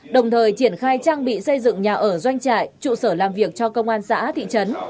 đồng thời triển khai trang bị xây dựng nhà ở doanh trại trụ sở làm việc cho công an xã thị trấn